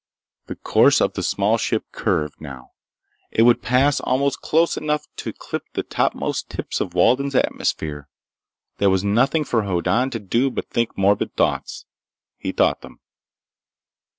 The course of the small ship curved, now. It would pass almost close enough to clip the topmost tips of Walden's atmosphere. There was nothing for Hoddan to do but think morbid thoughts. He thought them.